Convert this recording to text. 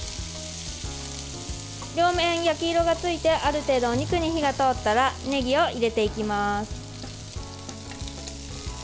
両面、焼き色がついてある程度お肉に火が通ったらねぎを入れていきます。